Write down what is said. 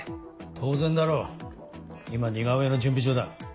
当然だろ今似顔絵の準備中だ。